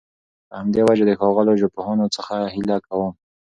په همدي وجه د ښاغلو ژبپوهانو څخه هيله کوم